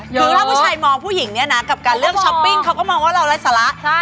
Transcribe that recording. คือถ้าผู้ชายมองผู้หญิงเนี่ยนะกับการเลือกช้อปปิ้งเขาก็มองว่าเราไร้สาระ